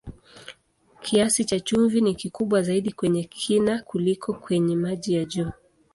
Kiasi cha chumvi ni kikubwa zaidi kwenye kina kuliko kwenye maji ya juu.